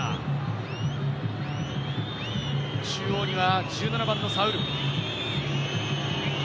中央には１７番のサウール。